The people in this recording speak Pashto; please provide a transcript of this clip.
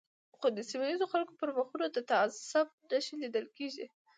خو د سیمه ییزو خلکو پر مخونو د تعصب نښې لیدل کېږي.